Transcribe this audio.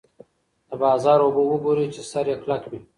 د بازار اوبه وګورئ چې سر یې کلک وي.